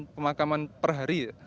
pemakaman per hari ya